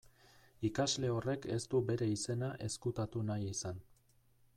Ikasle horrek ez du bere izena ezkutatu nahi izan.